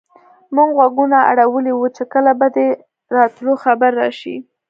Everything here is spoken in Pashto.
موږ غوږونه اړولي وو چې کله به دې د راتلو خبر راشي.